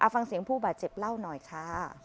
ฟังเสียงผู้บาดเจ็บเล่าหน่อยค่ะ